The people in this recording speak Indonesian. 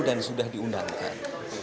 dan sudah diundangkan